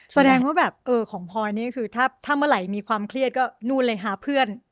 แสดงว่าแบบเออของพลอยนี่คือถ้าเมื่อไหร่มีความเครียดก็นู่นเลยหาเพื่อน